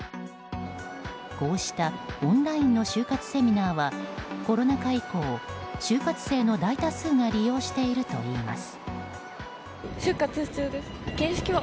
こうしたオンラインの就活セミナーはコロナ禍以降、就活生の大多数が利用しているといいます。